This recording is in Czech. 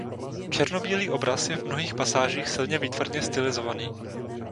Černobílý obraz je v mnohých pasážích silně výtvarně stylizovaný.